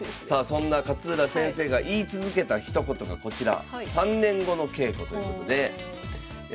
そんな勝浦先生が言い続けたひと言がこちら。